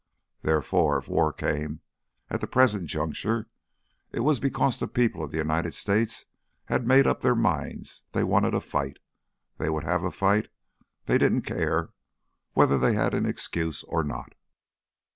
Therefore, if war came at the present juncture it was because the people of the United States had made up their minds they wanted a fight, they would have a fight, they didn't care whether they had an excuse or not.